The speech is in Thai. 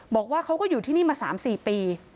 บอกว่าเขาก็อยู่ที่นี่มา๓๔ปี